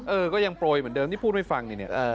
เออก็ยังโปรยเหมือนเดิมที่พูดให้ฟังนี่เนี่ย